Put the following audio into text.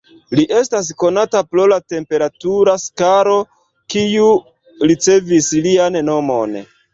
Li estas konata pro la temperatura skalo, kiu ricevis lian nomon.